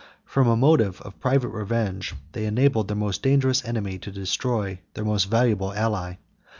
From a motive of private revenge, they enabled their most dangerous enemy to destroy their most valuable ally.